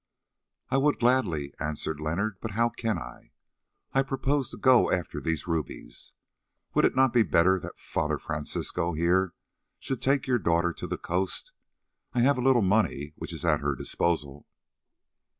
"I would gladly," answered Leonard, "but how can I? I propose to go after these rubies. Would it not be better that Father Francisco here should take your daughter to the coast? I have a little money which is at her disposal."